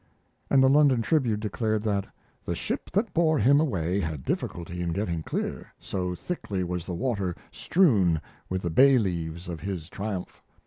And the London Tribune declared that "the ship that bore him away had difficulty in getting clear, so thickly was the water strewn with the bay leaves of his triumph.